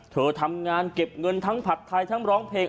เธอทำงานเก็บเงินทั้งผัดไทยทั้งร้องเพลง